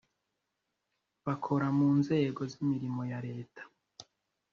bakora mu nzego z’imirimo ya leta